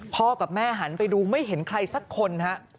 พ่อกับแม่หันไปดูไม่เห็นใครสักคนฮะ